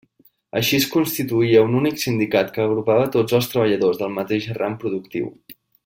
Així es constituïa un únic sindicat que agrupava tots els treballadors del mateix ram productiu.